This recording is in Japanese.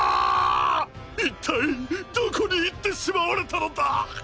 一体どこに行ってしまわれたのだ。